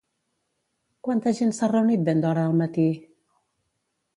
Quanta gent s'ha reunit ben d'hora al matí?